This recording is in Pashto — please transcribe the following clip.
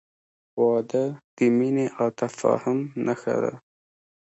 • واده د مینې او تفاهم نښه ده.